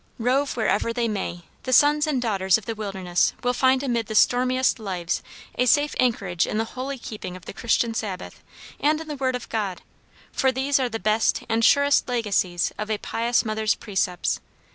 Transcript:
Rove wherever they may, the sons and daughters of the wilderness will find amid the stormiest lives a safe anchorage in the holy keeping of the Christian Sabbath, and in the word of God, for these are the best and surest legacies of a pious mother's precepts.